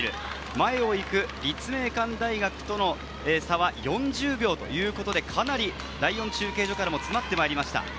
前を行く立命館大学との差は４０秒ということで、かなり第４中継所からも詰まってまいりました。